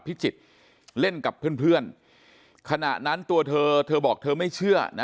พิจิตรเล่นกับเพื่อนขณะนั้นตัวเธอเธอบอกเธอไม่เชื่อนะ